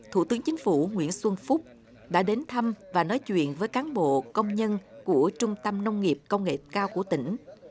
thủ tướng chính phủ nguyễn xuân phúc đã đến thăm và nói chuyện với cán bộ công nhân của trung tâm nông nghiệp công nghệ cao của tỉnh